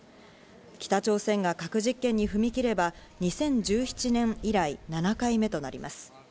北朝鮮が核実験に踏み切れば、２０１７年以来、７回目となります。